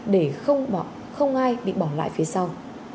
để không ai bị bỏ lại phía sau